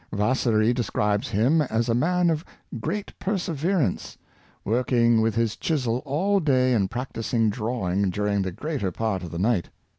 Vasari describes him as a man of great perseverance, working with his chisel all day and practicing drawing during the greater part of the night.